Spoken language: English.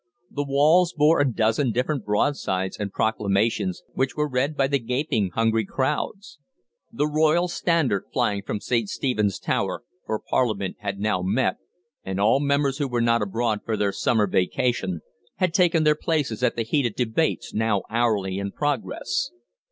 The walls bore a dozen different broadsides and proclamations, which were read by the gaping, hungry crowds. The Royal Standard was flying from St. Stephen's Tower, for Parliament had now met, and all members who were not abroad for their summer vacation had taken their places at the heated debates now hourly in progress.